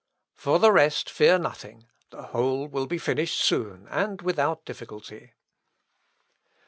For the rest fear nothing; the whole will be finished soon, and without difficulty."